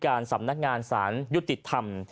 สำนักงานสารยุติธรรม